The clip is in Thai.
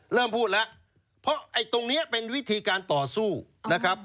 เริ่มพูดแล้วเพราะไอ้ตรงนี้เป็นวิธีการต่อสู้นะครับ